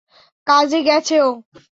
কাজে গেছে ও।